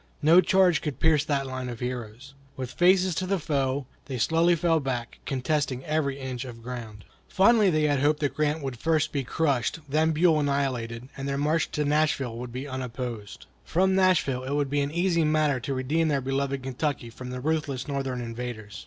No charge could pierce that line of heroes. With faces to the foe, they slowly fell back, contesting every inch of ground. Fondly had they hoped that Grant would first be crushed, then Buell annihilated, and their march to Nashville would be unopposed. From Nashville it would be an easy matter to redeem their beloved Kentucky from the ruthless Northern invaders.